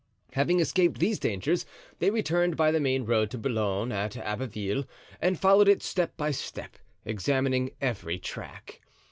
Having escaped these dangers, they returned by the main road to Boulogne, at Abbeville, and followed it step by step, examining every track.